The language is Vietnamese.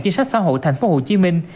chính sách xã hội thành phố hồ chí minh